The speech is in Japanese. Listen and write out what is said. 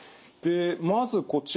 まずこちら。